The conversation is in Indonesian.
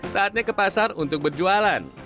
saatnya ke pasar untuk berjualan